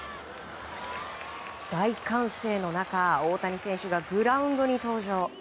大歓声の中、大谷選手がグラウンドに登場。